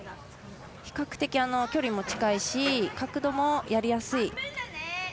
比較的、距離も近いし角度もやりやすい。